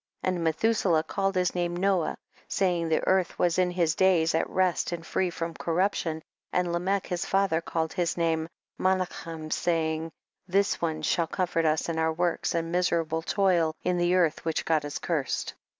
14. And Methuselah called his name Noah, saying, the earth was in his days at rest and free from cor ruption, and Lamech his father call ed his name *Menachem, saying, this one shall comfort us in our works and miserable toil in the earth, which God had cursed.